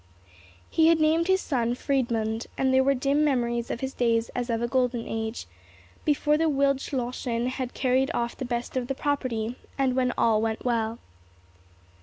He had named his son Friedmund; and there were dim memories of his days as of a golden age, before the Wildschlossen had carried off the best of the property, and when all went well.